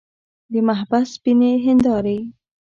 د محبس سپینې هندارې.